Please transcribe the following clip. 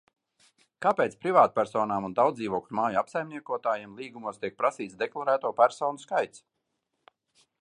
Kāpēc privātpersonām un daudzdzīvokļu māju apsaimniekotājiem līgumos tiek prasīts deklarēto personu skaits?